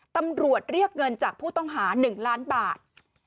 ตำรวจเรียกเงินจากผู้ต้องหา๑ล้านบาท